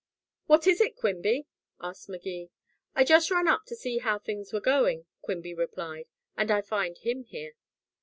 "What is it, Quimby?" asked Magee. "I just ran up to see how things were going," Quimby replied, "and I find him here."